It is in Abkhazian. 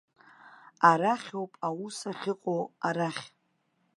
Арахьоуп аус ахьыҟоу, арахь.